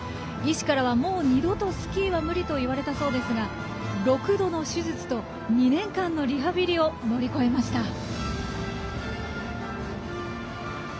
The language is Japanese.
医師からはもう二度とスキーは無理と言われたそうですが６度の手術と２年間のリハビリを乗り越えました。